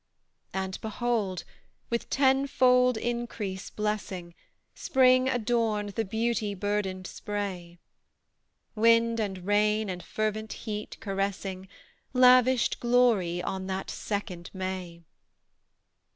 And, behold! with tenfold increase blessing, Spring adorned the beauty burdened spray; Wind and rain and fervent heat, caressing, Lavished glory on that second May!